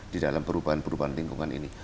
di dalam perubahan perubahan lingkungan ini